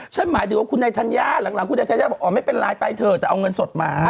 หมายถึงว่าคุณนายธัญญาหลังคุณนายธัญญาบอกอ๋อไม่เป็นไรไปเถอะแต่เอาเงินสดมา